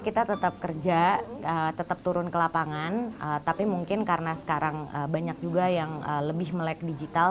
kita tetap kerja tetap turun ke lapangan tapi mungkin karena sekarang banyak juga yang lebih melek digital